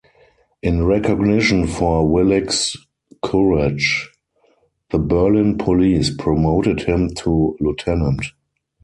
In recognition for Willig's courage, the Berlin Police promoted him to Lieutenant.